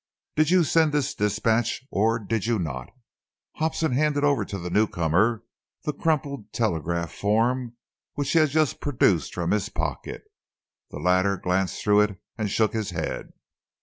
Did you send this dispatch or did you not?" Hobson handed over to the newcomer the crumpled telegraph form which he had just produced from his pocket. The latter glanced through it and shook his head.